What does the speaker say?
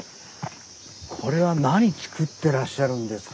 これは何作ってらっしゃるんですか？